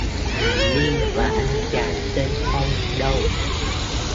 Hà ni và anh chàng tên phong đâu